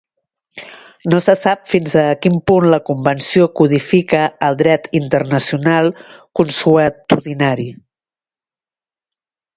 No se sap fins a quin punt la Convenció codifica el dret internacional consuetudinari.